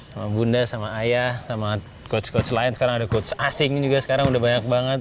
sama bunda sama ayah sama coach coach lain sekarang ada coach asing juga sekarang udah banyak banget